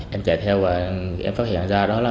em chạy theo và em phát hiện ra đó là